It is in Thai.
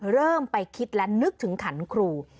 เริ่มไปคิดและนึกถึงขันครู